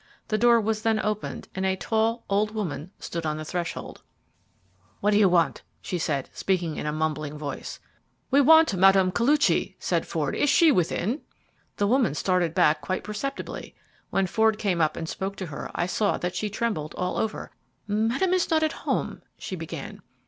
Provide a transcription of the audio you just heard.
The door was then opened, and a tall, old woman stood on the threshold. "What do you want?" she said, speaking in a mumbling voice. "We want Mme. Koluchy," said Ford; "is she within?" The woman started back quite perceptibly. When Ford came up and spoke to her I saw that she trembled all over. "Madame is not at home," she began.